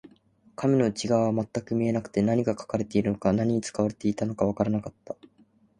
紙の内側は全く見えなくて、何が書かれているのか、何に使われていたのかわからなかった